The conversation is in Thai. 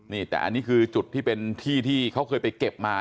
นี่แต่อันนี้คือจุดที่เป็นที่ที่เขาเคยไปเก็บมา